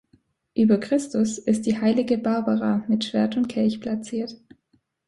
Über Christus ist die heilige Barbara mit Schwert und Kelch platziert.